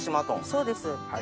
そうです。